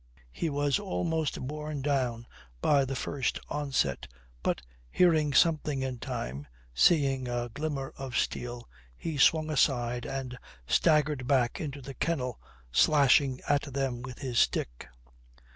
He was almost borne down by the first onset, but hearing something in time, seeing a glimmer of steel, he swung aside and staggered back into the kennel slashing at them with his stick.